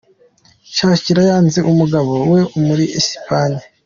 Shakira yasanze umugabo we muri Esipanye.